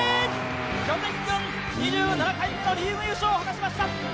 巨人軍、２７回目のリーグ優勝を果たしました。